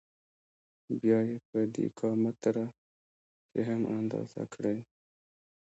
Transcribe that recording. بیا یې په دېکا متره کې هم اندازه کړئ.